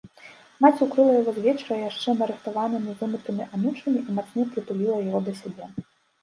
Маці ўкрыла яго звечара яшчэ нарыхтаванымі вымытымі анучамі і мацней прытуліла яго да сябе.